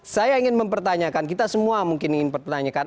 saya ingin mempertanyakan kita semua mungkin ingin pertanyakan